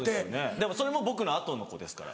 でもそれも僕の後の子ですから。